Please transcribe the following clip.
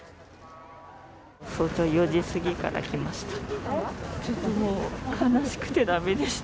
早朝４時過ぎから来ました。